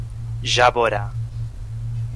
Jaborá